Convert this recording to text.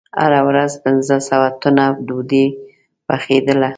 هره ورځ پنځه سوه تنه ډوډۍ پخېدله.